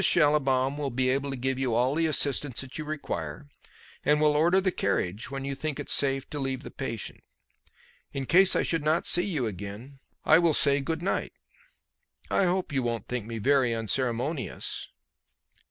Schallibaum will be able to give you all the assistance that you require, and will order the carriage when you think it safe to leave the patient. In case I should not see you again I will say 'good night.' I hope you won't think me very unceremonious."